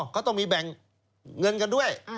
เขาต้องมีแบ่งเงินกันด้วย